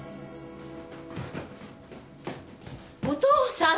お父さん？